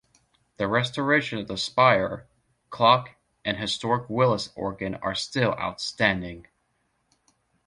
The restoration of the spire, clock, and historic Willis organ are still outstanding.